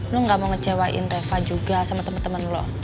lo gak mau ngecewain reva juga sama temen temen lo